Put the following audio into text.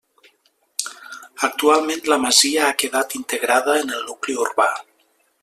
Actualment la masia ha quedat integrada en el nucli urbà.